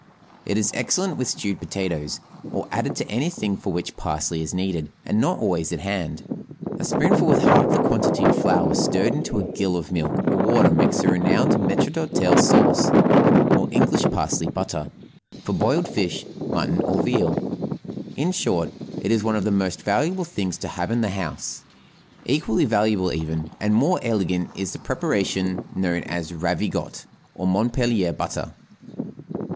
It is excellent with stewed potatoes, or added to anything for which parsley is needed, and not always at hand; a spoonful with half the quantity of flour stirred into a gill of milk or water makes the renowned maître d'hôtel sauce (or English parsley butter) for boiled fish, mutton, or veal. In short, it is one of the most valuable things to have in the house. Equally valuable, even, and more elegant is the preparation known as "Ravigotte" or Montpellier butter.